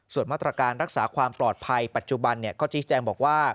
ส่วนมาตรการรักษาความปลอดภัยปัจจุบันก็ชี้แจงบอกว่า